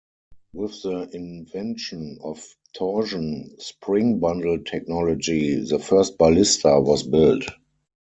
With the invention of torsion spring bundle technology, the first ballista was built.